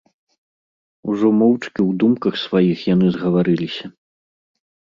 Ужо моўчкі ў думках сваіх яны згаварыліся.